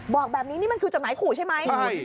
บอกแบบนี้นี่มันคือจดหมายขู่ใช่ไหม